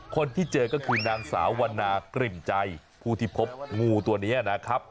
คนที่เจอก็คือนางสาววันนากลิ่นใจผู้ที่พบงูตัวนี้นะครับ